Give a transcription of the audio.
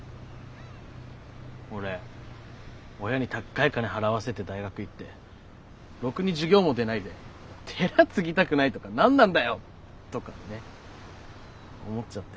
俺親にたっかい金払わせて大学行ってろくに授業も出ないで寺継ぎたくないとか何なんだよとかね思っちゃって。